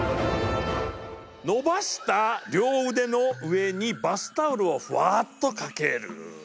伸ばした両腕の上にバスタオルをふわっと掛ける。